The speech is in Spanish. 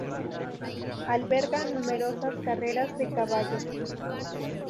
Alberga numerosas carreras de caballos.